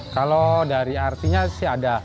kalau dari artinya sih ada